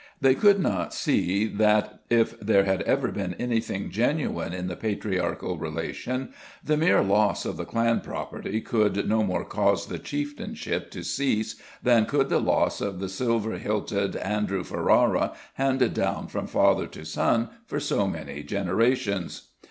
They could not see that, if there had ever been anything genuine in the patriarchal relation, the mere loss of the clan property could no more cause the chieftainship to cease, than could the loss of the silver hilted Andrew Ferrara, handed down from father to son for so many generations.